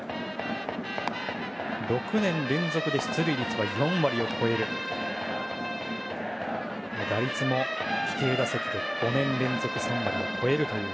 ６年連続で出塁が４割を超え打率も規定打席で５年連続３割を超えるという。